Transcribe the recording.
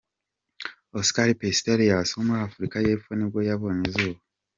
Oscar Pistorius wo muri Afurika y’epfo nibwo yabonye izuba.